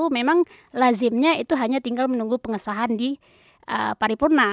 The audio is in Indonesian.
memang lazimnya itu hanya tinggal menunggu pengesahan di paripurna